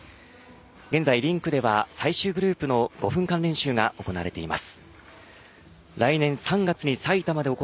現在、リンクでは最終グループの５分間練習が行われています。